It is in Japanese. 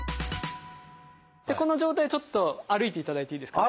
この状態でちょっと歩いていただいていいですか？